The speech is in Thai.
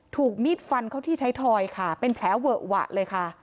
ถูกมีดฟันเข้าที่ไทยทอยค่ะเป็นแผลเวอะหวะเลยค่ะ